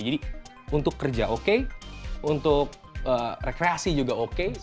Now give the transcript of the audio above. jadi untuk kerja oke untuk rekreasi juga oke